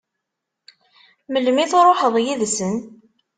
Melmi i tṛuḥ yid-sen?